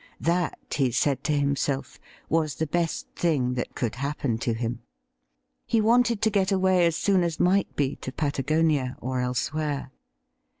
That, he said to himself, was the best thing that could happen to him. He wanted to get away as soon as might be to Patagonia or elsewhere.